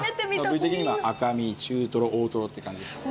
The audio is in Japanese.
部位的には赤身中トロ大トロって感じですかね。